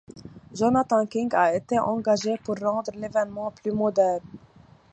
Jonathan King a été engagé pour rendre l'événement plus moderne.